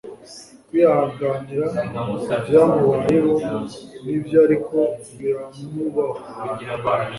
kwihanganira ivyamubayeko nivyariko biramubako………